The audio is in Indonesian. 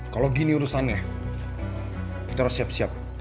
kalau gini urusannya kita harus siap siap